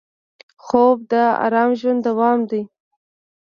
خوب د ارام ژوند دوام دی